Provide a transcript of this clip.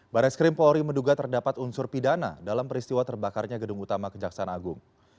baris krim polri menduga terdapat unsur pidana dalam peristiwa terbakarnya gedung utama kejaksaan agung